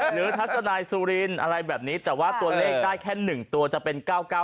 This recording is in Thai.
ทัศนายสุรินอะไรแบบนี้แต่ว่าตัวเลขได้แค่๑ตัวจะเป็น๙๙